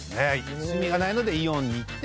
趣味がないのでイオンに行って。